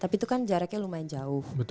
tapi itu kan jaraknya lumayan jauh